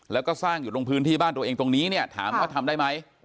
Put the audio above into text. แล้วก็สร้างอยู่ตรงพื้นที่บ้านตัวเองตรงนี้เนี่ยถามว่าทำได้ไหม